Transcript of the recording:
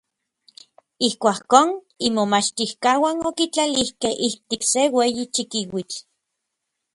Ijkuakon imomachtijkauan okitlalijkej ijtik se ueyi chikiuitl.